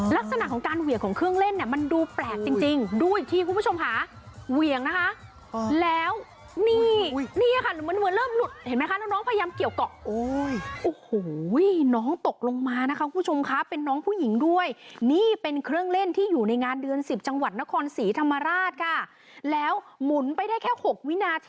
ลักษณะของการเหวี่ยงของเครื่องเล่นเนี่ยมันดูแปลกจริงดูอีกทีคุณผู้ชมค่ะเหวี่ยงนะคะแล้วนี่นี่ค่ะเหมือนเริ่มหลุดเห็นไหมคะน้องพยายามเกี่ยวเกาะโอ้ยโอ้โหน้องตกลงมานะคะคุณผู้ชมคะเป็นน้องผู้หญิงด้วยนี่เป็นเครื่องเล่นที่อยู่ในงานเดือน๑๐จังหวัดนครศรีธรรมราชค่ะแล้วหมุนไปได้แค่๖วินาที